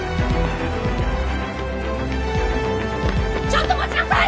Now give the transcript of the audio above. ちょっと待ちなさい！